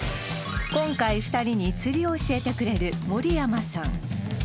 今回２人に釣りを教えてくれる森山さん